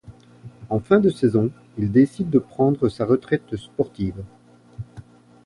En fin de saison, il décide de prendre sa retraite sportive.